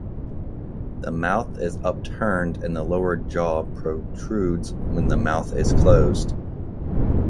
The mouth is upturned and the lower jaw protrudes when the mouth is closed.